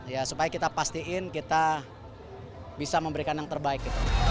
ya supaya kita pastiin kita bisa memberikan yang terbaik